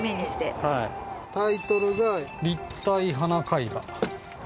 タイトルが、花絵画？